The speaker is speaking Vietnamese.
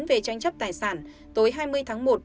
về tranh chấp tài sản tối hai mươi tháng một